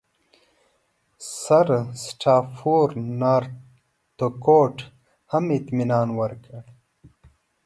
سرسټافورنارتکوټ هم اطمینان ورکړ.